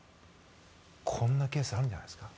こんなケースあるんじゃないですか？